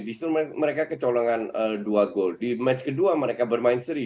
justru mereka kecolongan dua gol di match kedua mereka bermain seri